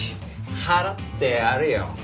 払ってやるよ。